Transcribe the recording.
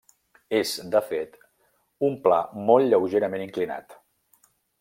És, de fet, un pla molt lleugerament inclinat.